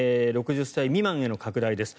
６０歳未満への拡大です。